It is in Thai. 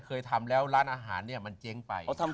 เคยทำแล้วร้านอาหารเนี่ยมันเจ๊งไป